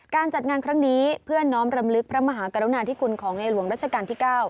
การจัดงานครั้งนี้เพื่อน้อมรำลึกพระมหากรุณาธิคุณของในหลวงรัชกาลที่๙